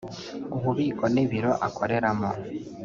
ububiko n’ibiro akoreramo